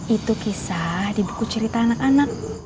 itu kisah di buku cerita anak anak